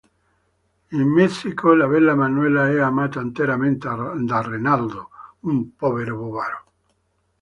In Messico, la bella Manuela è amata teneramente da Renaldo, un povero bovaro.